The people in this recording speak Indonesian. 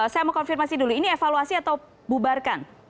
saya mau konfirmasi dulu ini evaluasi atau bubarkan